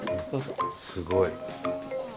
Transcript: すごい。